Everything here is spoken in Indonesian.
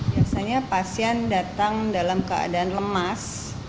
biasanya pasien datang dalam keadaan lemas